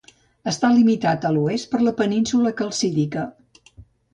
Està limitat a l'oest per la península Calcídica.